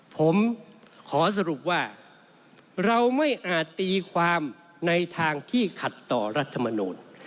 ผมขอสรุปว่าเราไม่อาจตีความในทางที่ขัดต่อรัฐมนูล